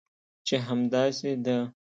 چې همداسې ده؟